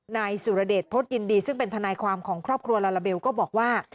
นายสุรเดชพฤษยินดีซึ่งเป็นทนายความของครอบครัวลาลาเบลก็บอกว่า